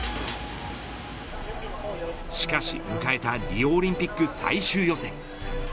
しかし、迎えたリオオリンピック最終予選。